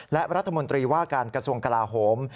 และรัฐมนตรีว่าการกระทรวงกลาโหม